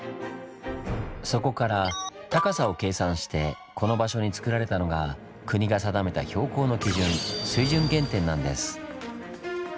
そこから高さを計算してこの場所につくられたのが国が定めた標高の基準「水準原点」なんです。